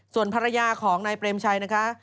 ส่วนภรรยาของนายเปรมชัยนะคะ